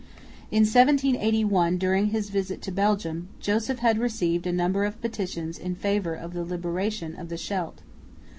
In 1781, during his visit to Belgium, Joseph had received a number of petitions in favour of the liberation of the Scheldt.